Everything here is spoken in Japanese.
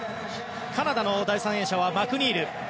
カナダの第３泳者はマクニール。